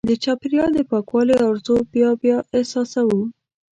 د چاپېریال د پاکوالي ارزو بیا بیا احساسوو.